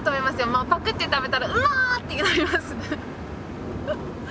もうパクッて食べたら「うま！」ってなります。